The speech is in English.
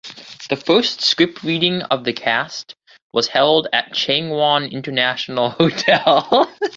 The first script reading of the cast was held at Changwon International Hotel.